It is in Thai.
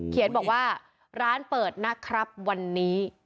เขียนบอกว่าร้านเปิดนะครับวันนี้